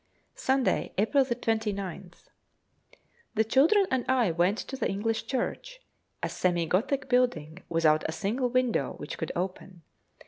Sunday, April 29th. The children and I went to the English church, a semi Gothic building, without a single window which could open.